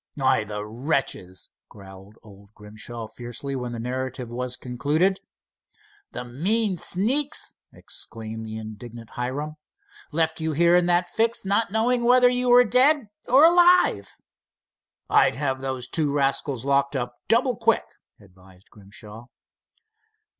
"Why, the wretches!" growled old Grimshaw, fiercely, when the narrative was concluded. "The mean sneaks!" exclaimed the indignant Hiram. "Left you here in that fix, not knowing whether you were dead or alive." "I'd have those two rascals locked up, double quick," advised Grimshaw.